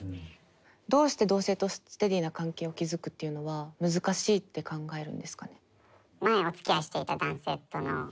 どうして同性とステディーな関係を築くっていうのは難しいって考えるんですかね？